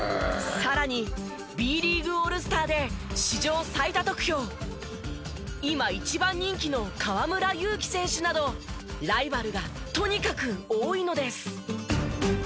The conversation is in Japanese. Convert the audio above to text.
さらにＢリーグオールスターで史上最多得票今一番人気の河村勇輝選手などライバルがとにかく多いのです。